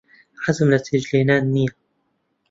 حەزم لە چێشت لێنان نییە.